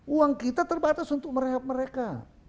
uang kita terbatas untuk merehab mereka